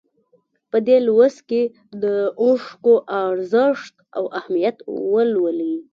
په دې لوست کې د اوښکو ارزښت او اهمیت ولولئ.